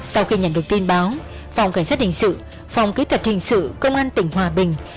sau khi nhận được tin báo phòng cảnh sát hình sự phòng kỹ thuật hình sự công an tỉnh hòa bình